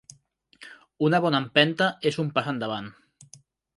Una bona empenta és un pas endavant.